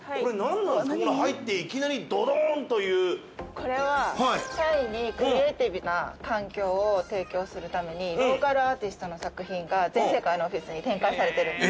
これは社員にクリエイティブな環境を提供するためにローカルアーティストの作品が全世界のオフィスに展開されているんです。